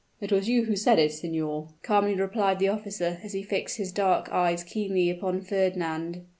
"It was you who said it, signor," calmly replied the officer, as he fixed his dark eyes keenly upon Fernand.